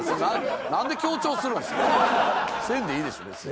せんでええでしょ別に。